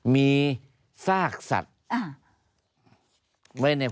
มีซากสัตว์